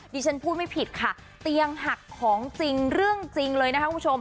ดิฉันพูดไม่ผิดค่ะเตียงหักของจริงเรื่องจริงเลยนะคะคุณผู้ชม